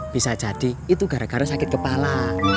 bisa jadi itu gara gara sakit kepala